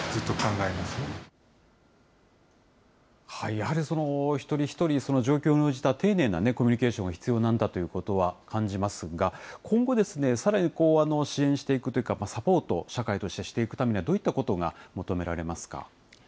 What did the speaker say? やはり一人一人、その状況に応じた、丁寧なコミュニケーションが必要なんだということは感じますが、今後、さらに支援していくというか、サポート、社会としてしていくためにはどういったことが求められますか。